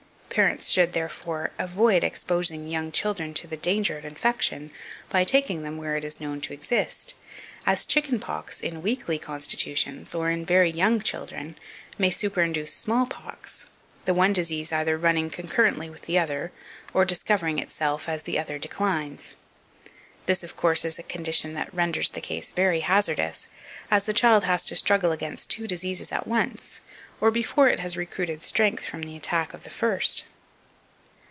Parents should, therefore, avoid exposing young children to the danger of infection by taking them where it is known to exist, as chicken pox, in weakly constitutions, or in very young children, may superinduce small pox, the one disease either running concurrently with the other, or discovering itself as the other declines. This, of course, is a condition that renders the case very hazardous, as the child has to struggle against two diseases at once, or before it has recruited strength from the attack of the first.